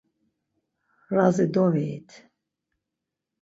Razi doviyit.